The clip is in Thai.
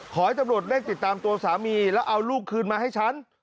ขอให้ตำรวจเร่งติดตามตัวสามีแล้วเอาลูกคืนมาให้ฉัน